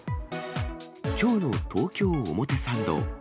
きょうの東京・表参道。